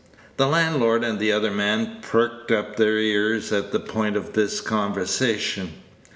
The landlord and the other man pricked up their ears at this point of the conversation.